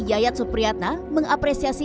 yayat supriyatna mengapresiasi